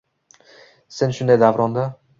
Sen shunday davronda